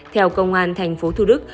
theo công an thành phố thủ đức